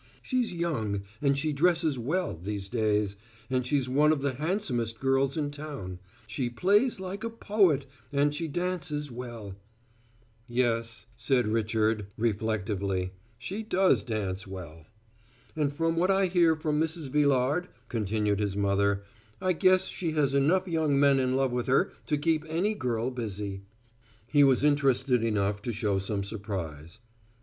She's young, and she dresses well these days and she's one of the handsomest girls in town; she plays like a poet, and she dances well " "Yes," said Richard; reflectively, "she does dance well." "And from what I hear from Mrs. Villard," continued his mother, "I guess she has enough young men in love with her to keep any girl busy." He was interested enough to show some surprise.